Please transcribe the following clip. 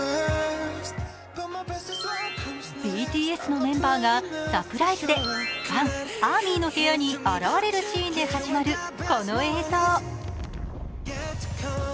ＢＴＳのメンバーがサプライズでファン＝ＡＲＭＹの部屋に現れるシーンで始まるこの映像。